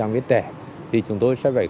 người trẻ thì chúng tôi sẽ phải